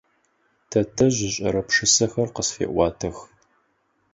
Тэтэжъ ышӏэрэ пшысэхэр къысфеӏуатэх.